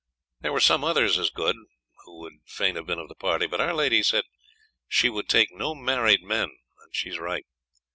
There were some others as good who would fain have been of the party, but our lady said she would take no married men, and she was right.